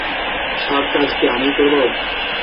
সব কাজ কি আমিই করবো?